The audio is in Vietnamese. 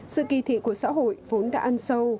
sự kỳ thị của xã hội vốn đã ăn sâu